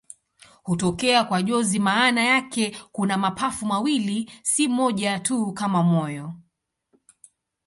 Hutokea kwa jozi maana yake kuna mapafu mawili, si moja tu kama moyo.